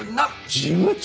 事務長！